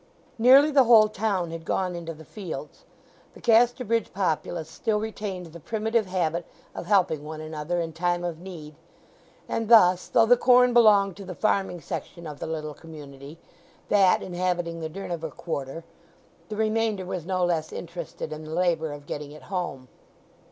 Nearly the whole town had gone into the fields. The Casterbridge populace still retained the primitive habit of helping one another in time of need; and thus, though the corn belonged to the farming section of the little community—that inhabiting the Durnover quarter—the remainder was no less interested in the labour of getting it home.